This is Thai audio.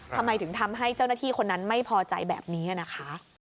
ทำไมถึงทำให้เจ้าหน้าที่คนนั้นไม่พอใจแบบนี้นะคะ